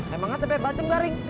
emangnya tepe bacem garing